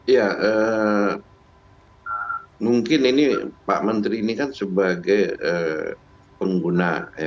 ya mungkin ini pak menteri ini kan sebagai pengguna